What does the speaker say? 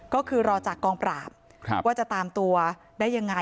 ก็คือรอจากกองปราบว่าจะตามตัวได้ยังไง